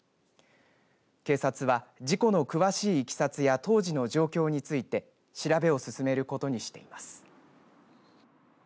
警察は事故の詳しいいきさつや当時の状況について調べを進めることにしています。